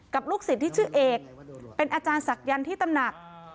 ลูกศิษย์ที่ชื่อเอกเป็นอาจารย์ศักยันต์ที่ตำหนัก